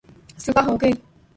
صبح ہو گئی